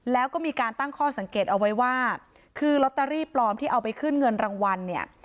แล้วก็มีการตั้งข้อสังเกตเอาไว้ว่าคือลอตเตอรี่ปลอมที่เอาไปขึ้นเงินรางวัลเนี่ย